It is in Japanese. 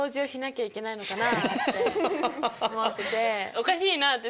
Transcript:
おかしいなって。